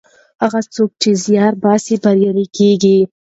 هغه څوک چې زیار باسي بریالی کیږي.